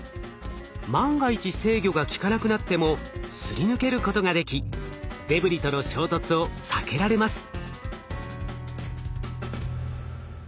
万が一制御がきかなくなってもすり抜けることができデブリとの衝突を避けられます。